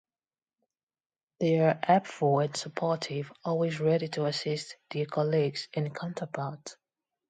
They are helpful and supportive, always ready to assist their colleagues and counterparts.